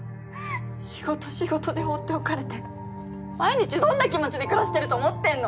仕事仕事で放っておかれて毎日どんな気持ちで暮らしてると思ってんの？